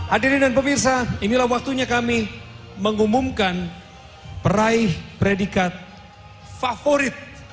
adiri dan pemirsa inilah waktunya kami mengumumkan peraih predikat favorit